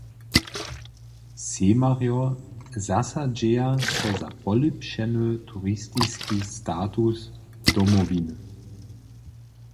Sejmarjo zasadźeja so za polěpšeny juristiski status Domowiny.